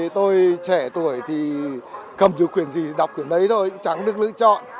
trẻ tuổi thì cầm được quyền gì thì đọc quyền đấy thôi chẳng được lựa chọn